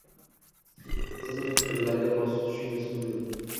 siz uning fikrlariga quloq tutishingiz mumkin.